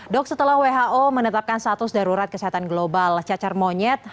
dok setelah who menetapkan status darurat kesehatan global cacar monyet